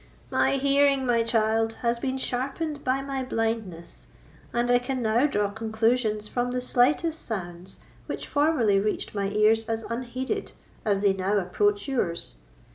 "My hearing, my child, has been sharpened by my blindness, and I can now draw conclusions from the slightest sounds, which formerly reached my ears as unheeded as they now approach yours.